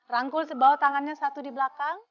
rangkul bawa tangannya satu di belakang